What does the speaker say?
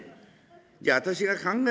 じゃあ私が考えるよ。